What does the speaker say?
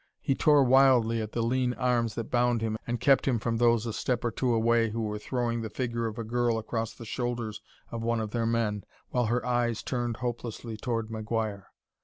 He tore wildly at the lean arms that bound him and kept him from those a step or two away who were throwing the figure of a girl across the shoulders of one of their men, while her eyes turned hopelessly toward McGuire.